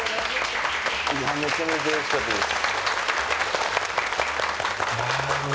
めちゃめちゃおいしかったです